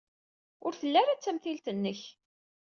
Ur telli ara d tamtilt-nnek.